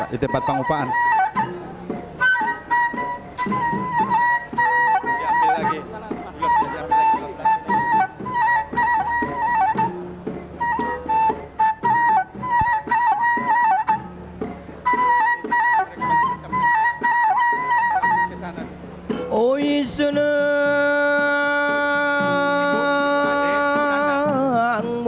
di tempat pengupaan